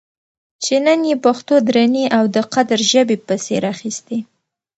چې نن یې پښتو درنې او د قدر ژبې پسې راخیستې